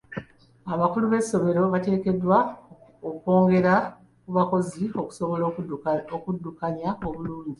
Abakulu b'essomero bateekeddwa okwongera ku bakozi okusobola okuddukanya obulungi.